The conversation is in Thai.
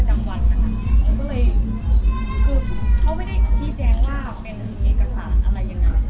ก็เลยคือเขาไม่ได้ชี้แจงว่าเป็นเอกสารอะไรยังไง